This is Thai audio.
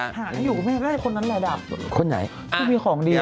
หาได้คนนั้นไหมณนี่มีของดี